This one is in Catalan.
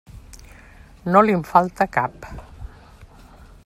No li'n falta cap.